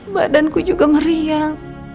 badanku juga meriang